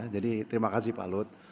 jadi terima kasih pak luhut